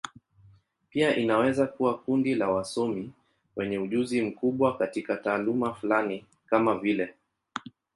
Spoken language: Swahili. Pia inaweza kuwa kundi la wasomi wenye ujuzi mkubwa katika taaluma fulani, kama vile.